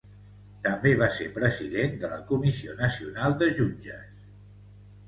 També va ser president de la Comissió Nacional de Jutges.